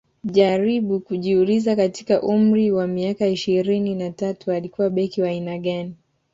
jaribu kujiuliza katika umri wa miaka ishirini na tatu alikuwa beki wa aina gani